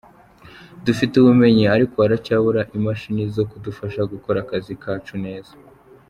Dufite ubumenyi ariko haracyabura imashini zo kudufasha gukora akazi kacu neza.